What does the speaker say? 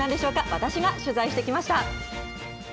私が取材してきました。